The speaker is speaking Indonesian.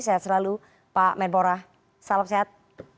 sehat selalu pak menpora salam sehat